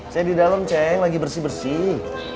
saya di dalam ceng lagi bersih bersih